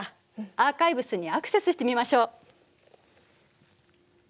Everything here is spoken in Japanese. アーカイブスにアクセスしてみましょう。